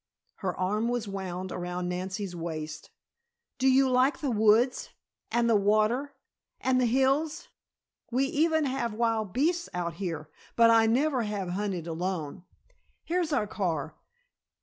Her arm was wound around Nancy's waist. "Do you like the woods? And the water? And the hills? We even have wild beasts out here, but I never have hunted alone. Here's our car.